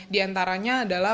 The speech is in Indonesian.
di antaranya adalah